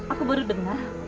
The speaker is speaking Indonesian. aku baru dengar